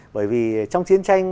bởi vì trong chiến tranh